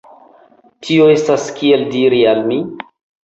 Tio estas, kiel diri al vi?